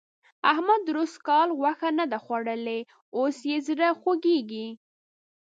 احمد درست کال غوښه نه ده خوړلې؛ اوس يې زړه خوږېږي.